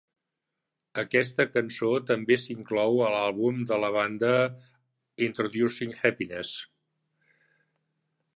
Aquesta cançó també s'inclou a l'àlbum de la banda "Introducing Happiness".